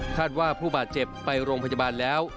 ว่าผู้บาดเจ็บไปโรงพยาบาลแล้ว